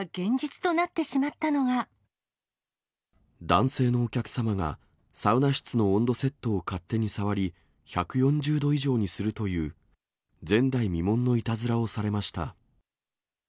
男性のお客様が、サウナ室の温度セットを勝手に触り、１４０度以上にするという前代未聞のいたずらをされました。